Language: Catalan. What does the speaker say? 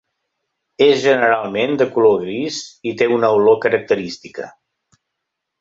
És generalment de color gris i té una olor característica.